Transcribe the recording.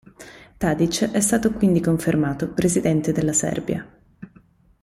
Tadić è stato quindi confermato Presidente della Serbia.